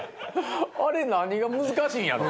あれ何が難しいんやろ？